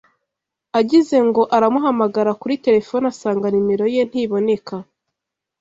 Agize ngo aramuhamagara kuri terefone asanga nimero ye ntiboneka